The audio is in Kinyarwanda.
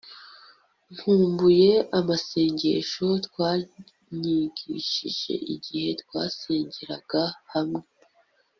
nkumbuye amasengesho twanyigishije igihe twasengeraga hamwe